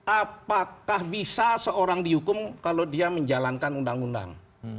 apakah bisa seorang dihukum kalau dia menjalankan undang undang